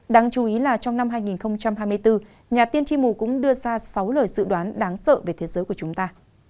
đáng chú ý là trong năm hai nghìn hai mươi bốn nhà tiên chimu cũng đưa ra sáu lời dự đoán đáng sợ về thế giới của chúng ta